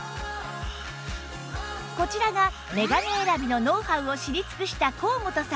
こちらが眼鏡選びのノウハウを知り尽くした高本さん